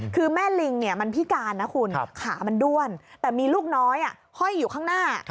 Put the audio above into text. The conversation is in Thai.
คือแม่ลิงมันพิการนะคุณขามันด้วนแต่มีลูกน้อยห้อยอยู่ข้างหน้า